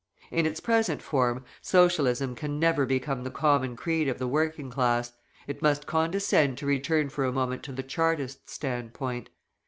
In its present form, Socialism can never become the common creed of the working class; it must condescend to return for a moment to the Chartist standpoint.